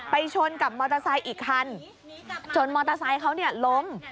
ไปชนกับมอเตอร์ไซต์อีกคันจนมอเตอร์ไซต์เขาล้ม